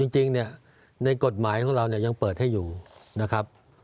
จริงในกฎหมายของเรายังเปิดให้อยู่นะครับ